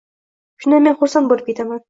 Shunda men xursand boʻlib ketaman